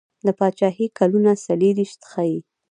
د پاچهي کلونه څلیرویشت ښيي.